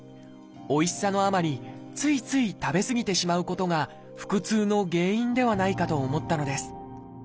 おいしさのあまりついつい食べ過ぎてしまうことが腹痛の原因ではないかと思ったのです。